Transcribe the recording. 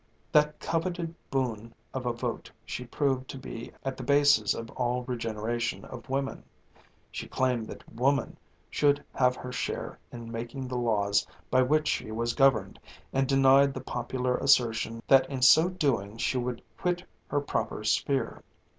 That coveted boon of a vote she proved to be at the basis of all the regeneration of women. She claimed that woman should have her share in making the laws by which she was governed, and denied the popular assertion that in so doing she would quit her proper sphere.